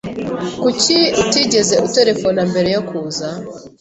Kuki utigeze uterefona mbere yo kuza?